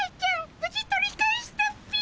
無事取り返したっピィ。